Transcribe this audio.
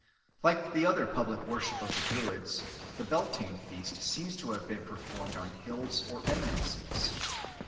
... Like the other public worship of the Druids, the Beltane feast seems to have been performed on hills or eminences.